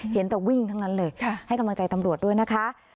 เห็นแต่วิ่งทั้งนั้นเลยให้กำลังใจตำรวจด้วยนะคะ